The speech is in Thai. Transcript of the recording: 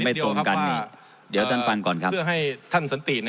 ตรงกันนี่เดี๋ยวท่านฟังก่อนครับเพื่อให้ท่านสันตินะ